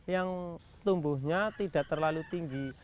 yang tumbuhnya tidak terlalu tinggi